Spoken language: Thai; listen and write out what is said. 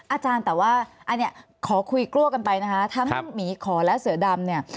อาจารย์แต่ว่าอันนี้ขอคุยกลัวกันไปนะคะทั้งหมีขอและเสือดำเนี่ย